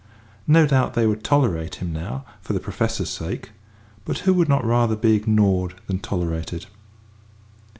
No doubt they would tolerate him now for the Professor's sake; but who would not rather be ignored than tolerated?